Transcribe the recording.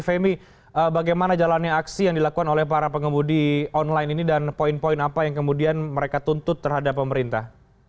femi bagaimana jalannya aksi yang dilakukan oleh para pengemudi online ini dan poin poin apa yang kemudian mereka tuntut terhadap pemerintah